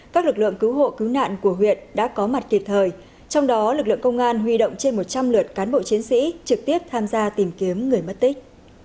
các lực lượng cứu hộ cứu nạn của huyện đã có mặt kịp thời trong đó lực lượng công an huy động trên một trăm linh lượt cán bộ chiến sĩ trực tiếp tham gia tìm kiếm người mất tích